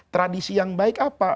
tradisi yang baik apa